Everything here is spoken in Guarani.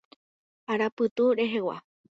Arapytu rehegua.